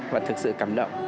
và thực sự cảm động